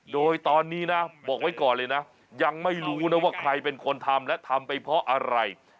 โดยตอนนี้นะบอกไว้ก่อนเลยนะยังไม่รู้นะว่าใครเป็นคนทำและทำไปเพราะอะไร